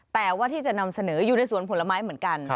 แต่ว่าที่จะนำเสนออยู่ในสวนผลไม้เหมือนกัน